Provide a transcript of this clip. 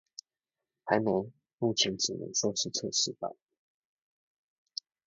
還沒，目前只能說是測試版